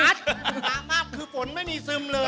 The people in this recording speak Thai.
ตามภาพคือฝนไม่มีซึมเลย